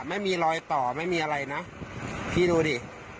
ไม่มีรอยต่อไม่มีอะไรนะพี่ดูดิ